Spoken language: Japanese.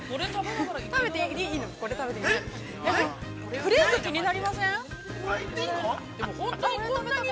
◆フレーク気になりません？